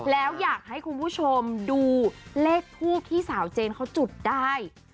แล้วอยากให้คุณผู้ชมดูเลขทูบที่สาวเจนเขาจุดได้